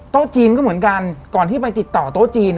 จีนก็เหมือนกันก่อนที่ไปติดต่อโต๊ะจีน